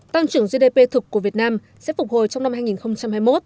tăng trưởng gdp thực của việt nam sẽ phục hồi trong năm hai nghìn hai mươi một